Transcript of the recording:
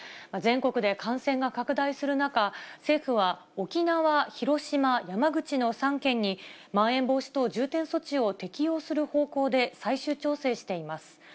全国で感染が拡大する中、政府は、沖縄、広島、山口の３県に、まん延防止等重点措置を適用する方向で最終調整しています。